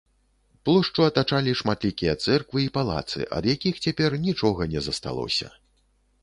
Плошчу атачалі шматлікія цэрквы і палацы, ад якіх цяпер нічога не засталося.